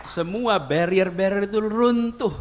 semua barrier barrier itu runtuh